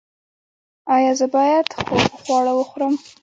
ایا زه باید خوږ خواړه وخورم؟